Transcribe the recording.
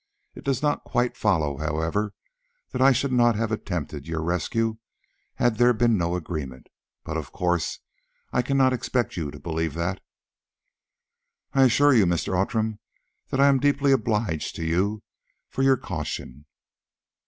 It does not quite follow, however, that I should not have attempted your rescue had there been no agreement; but, of course, I cannot expect you to believe that." "I assure you, Mr. Outram, that I am deeply obliged to you for your caution.